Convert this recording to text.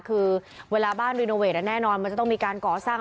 คือเวลาบ้านรีโนเวทแน่นอนมันจะต้องมีการก่อสร้าง